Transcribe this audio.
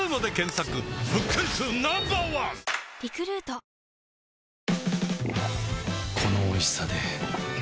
ハローこのおいしさで